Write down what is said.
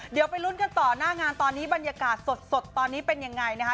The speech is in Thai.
เดี๋ยวไปลุ้นกันต่อหน้างานตอนนี้บรรยากาศสดตอนนี้เป็นยังไงนะคะ